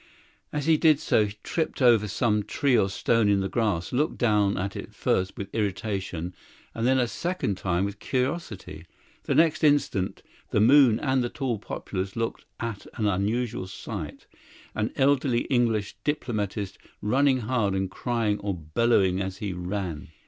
As he did so he tripped over some tree or stone in the grass; looked down at it first with irritation and then a second time with curiosity. The next instant the moon and the tall poplars looked at an unusual sight an elderly English diplomatist running hard and crying or bellowing as he ran.